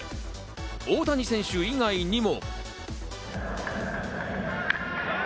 大谷選手以外にも。